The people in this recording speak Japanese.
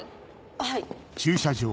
はい。